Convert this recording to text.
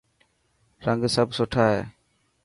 رنگ سڀ سٺا هي.